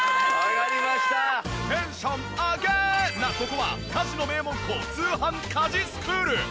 ここは家事の名門校通販☆家事スクール！